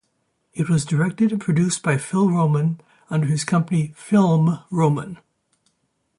It was directed and produced by Phil Roman under his company, Film Roman.